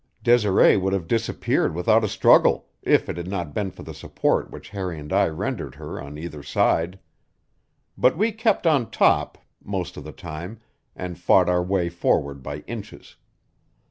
Desiree would have disappeared without a struggle if it had not been for the support which Harry and I rendered her on either side. But we kept on top most of the time and fought our way forward by inches.